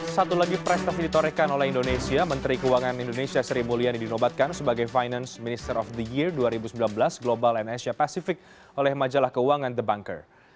satu lagi prestasi ditorekan oleh indonesia menteri keuangan indonesia sri mulyani dinobatkan sebagai finance minister of the year dua ribu sembilan belas global and asia pacific oleh majalah keuangan the banker